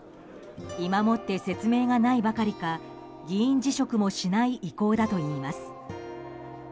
今もって説明がないばかりか議員辞職もしない意向だといいます。